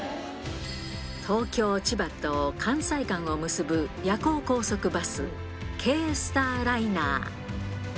東京・千葉と関西間を結ぶ夜行高速バス、Ｋスターライナー。